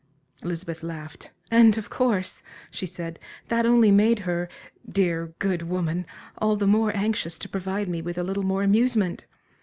Elizabeth laughed. "And of course," she said "that only made her dear good woman! all the more anxious to provide me with a little more amusement.